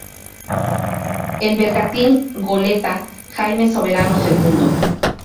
El bergantín goleta "jaime Soberano segundo"